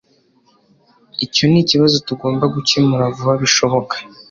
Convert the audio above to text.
Icyo nikibazo tugomba gukemura vuba bishoboka